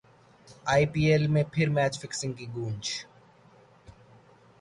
ائی P L میں پھر match fixing کی گونج